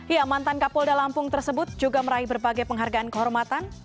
ya mantan kapolda lampung tersebut juga meraih berbagai penghargaan kehormatan